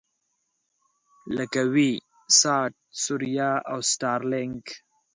لکه وي-ساټ، ثریا او سټارلېنک.